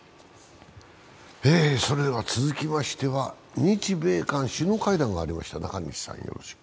それでは続きましては、日米韓首脳会談がありました。